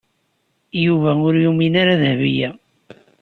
Yuba ur yumin ara Dahbiya.